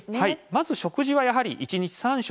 まず食事はやはり１日３食。